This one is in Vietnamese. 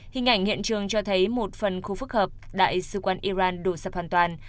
hình ảnh hiện trường cho thấy một phần khu phức hợp đại sứ quan iran đổ sập hoàn toàn